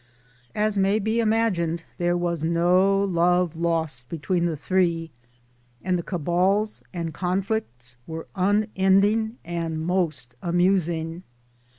As may be imagined there was no love lost between the three, and the cabals and conflicts were unending and most amusing.